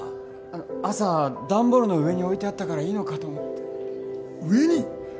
あの朝段ボールの上に置いてあったからいいのかと思って上に？